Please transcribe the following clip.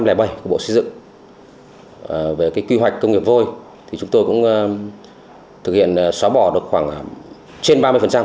cái quyết định số năm trăm linh bảy của bộ xây dựng về cái quy hoạch công nghiệp vôi thì chúng tôi cũng thực hiện xóa bỏ được khoảng trên ba mươi